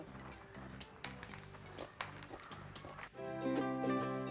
bagaimana cara mencari tempe